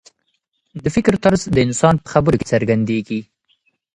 د فکر طرز د انسان په خبرو کې څرګندېږي.